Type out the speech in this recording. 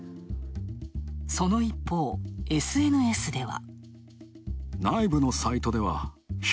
その一方、ＳＮＳでは。